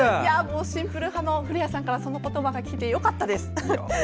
シンプル派の古谷さんからその言葉が聞けてよかったです。